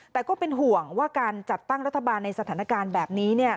แต่ก็เป็นห่วงว่าการจัดตั้งรัฐบาลในสถานการณ์แบบนี้